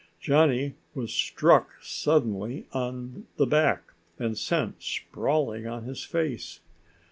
Johnny was struck suddenly on the back and sent sprawling on his face.